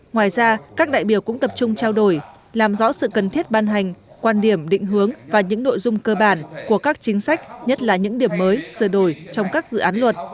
ngoài ra các đại biểu cũng tập trung trao đổi làm rõ sự cần thiết ban hành quan điểm định hướng và những nội dung cơ bản của các chính sách nhất là những điểm mới sửa đổi trong các dự án luật